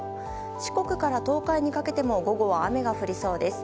四国から東海にかけても午後は雨が降りそうです。